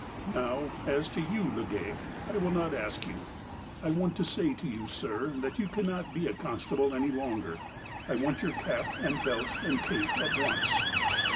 *' Now, as to you. Legale, — I will not ask you. I ■want to say to you, sir, that you cannot be a constable any longer. I want your cap, belt, and cape at once."